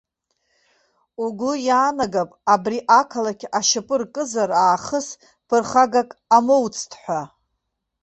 Угәы иаанагап абри ақалақь ашьапы ркызар аахыс ԥырхагак амоуцт ҳәа.